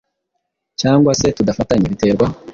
cyangwa se tudafatanye biterwa